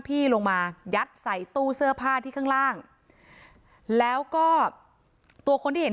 พี่ลงมายัดใส่ตู้เสื้อผ้าที่ข้างล่างแล้วก็ตัวคนที่เห็น